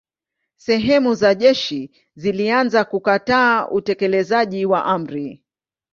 Sehemu za jeshi zilianza kukataa utekelezaji wa amri.